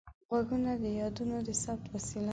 غوږونه د یادونو د ثبت وسیله ده